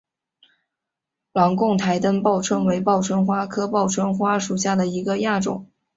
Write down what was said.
朗贡灯台报春为报春花科报春花属下的一个亚种。